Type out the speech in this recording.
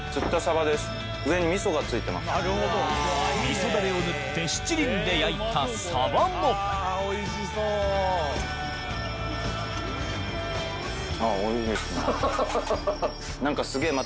みそダレを塗って七輪で焼いたサバも何かすげぇ。